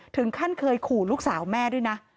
ถึงขั้นเคยขู่ลูกสาวแม่ด้วยนะ